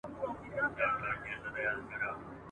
پښتنو تر پردو زیات ویاړ درلود.